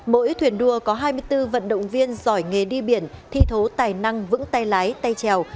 mỗi thuyền đua có hai mươi bốn vận động viên giỏi nghề đi biển thi thố tài năng vững tay lái tay trèo